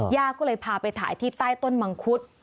ย่าก็เลยพาไปถ่ายที่ใต้ต้นมังคุด